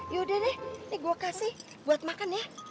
yaudah deh nih gua kasih buat makan ya